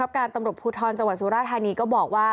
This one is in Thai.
ปรับตามพูดทรจังหวัดโซฯวอ้าทันีคือจะบอกว่า